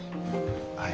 はい。